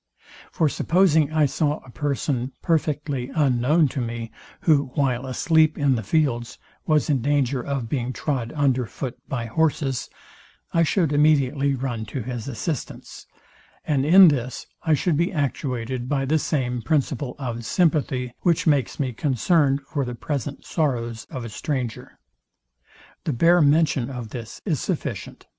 For supposing I saw a person perfectly unknown to me, who, while asleep in the fields, was in danger of being trod under foot by horses, I should immediately run to his assistance; and in this I should be actuated by the same principle of sympathy, which makes me concerned for the present sorrows of a stranger. The bare mention of this is sufficient.